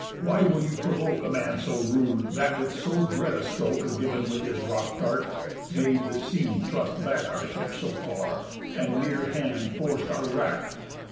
why will you provoke A man so rude, that with so dead a stroke, Giv'n with his rock dart, made the sea thrust back Our ship so far, and near hand forc'd our wrack?